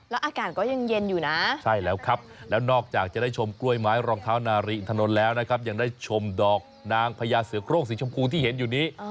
แล้วอากาศก็ยังเย็นอยู่นะใช่แล้วครับแล้วนอกจากจะได้ชมกล้วยไม้รองเท้านาริอินถนนแล้วนะครับยังได้ชมดอกนางพญาเสือโครงสีชมพูที่เห็นอยู่นี้